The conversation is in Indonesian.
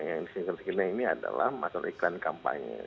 yang disini terdapat ini adalah masalah iklan kampanye